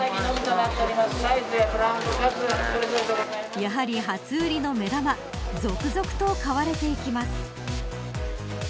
やはり初売りの目玉続々と買われていきます。